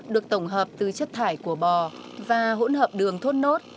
được tổng hợp từ chất thải của bò và hỗn hợp đường thốt nốt